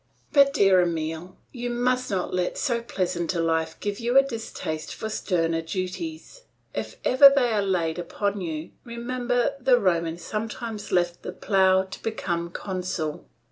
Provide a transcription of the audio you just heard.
But, dear Emile, you must not let so pleasant a life give you a distaste for sterner duties, if every they are laid upon you; remember that the Romans sometimes left the plough to become consul.